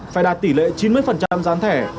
phải đạt tỷ lệ chín mươi gián thẻ